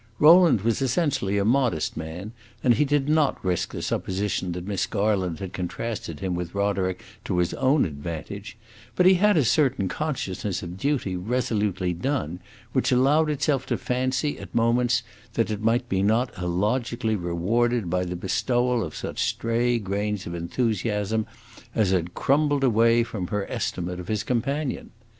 Rowland was essentially a modest man, and he did not risk the supposition that Miss Garland had contrasted him with Roderick to his own advantage; but he had a certain consciousness of duty resolutely done which allowed itself to fancy, at moments, that it might be not illogically rewarded by the bestowal of such stray grains of enthusiasm as had crumbled away from her estimate of his companion.